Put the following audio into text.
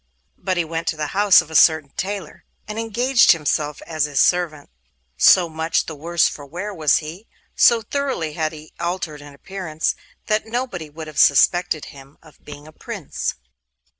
But he went to the house of a certain tailor, and engaged himself as his servant. So much the worse for wear was he, so thoroughly had he altered in appearance, that nobody would have suspected him of being a Prince.